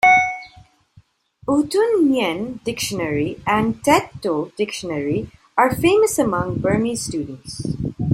"U Htun Nyein": dictionary and "Tet Toe" Dictionary are famous among Burmese students.